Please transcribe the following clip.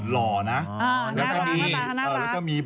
รักหน้าเป็ดโง่หล่อนะ